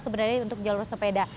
sebenarnya untuk jalur sepeda